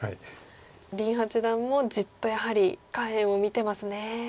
林八段もじっとやはり下辺を見てますね。